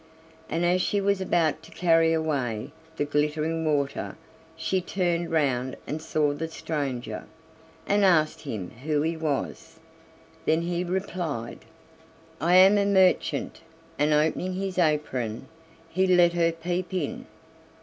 And as she was about to carry away the glittering water she turned round and saw the stranger, and asked him who he was. Then he replied: "I am a merchant," and opening his apron, he let her peep in.